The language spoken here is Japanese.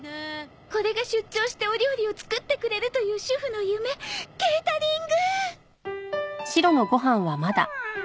これが出張してお料理を作ってくれるという主婦の夢ケータリング！